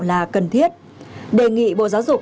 là cần thiết đề nghị bộ giáo dục